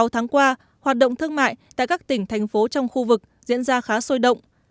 sáu tháng qua hoạt động thương mại tại các tỉnh thành phố trong khu vực diễn ra khá sôi động